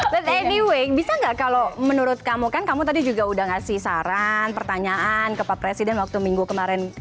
but anyway bisa nggak kalau menurut kamu kan kamu tadi juga udah ngasih saran pertanyaan ke pak presiden waktu minggu kemarin